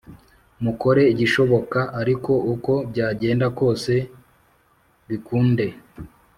Mukore igishoboka ariko uko byagenda kose bikunde.